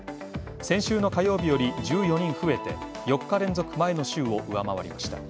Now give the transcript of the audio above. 先週の火曜日より１４人増えて４日連続、前の週を上回りました。